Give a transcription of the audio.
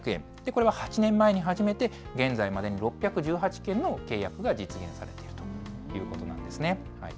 これは８年前に始めて、現在までに６１８件の契約が実現されているということなんですね。